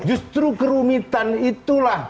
justru kerumitan itulah